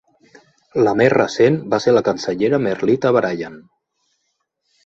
La més recent va ser la cancellera Merlita Bryan.